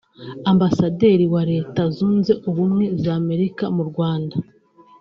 Ambasaderi wa Leta zunze ubumwe za Amerika mu Rwanda